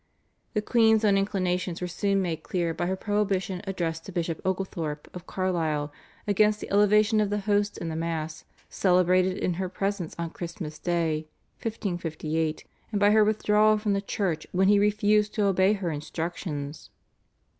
The queen's own inclinations were soon made clear by her prohibition addressed to Bishop Oglethorp of Carlisle against the elevation of the Host in the Mass celebrated in her presence on Christmas Day (1558), and by her withdrawal from the church when he refused to obey her instructions.